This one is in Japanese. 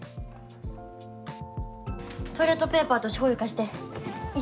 トイレットペーパーとしょうゆ貸して。